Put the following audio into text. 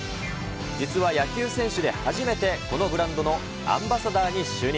実は野球選手で初めて、このブランドのアンバサダーに就任。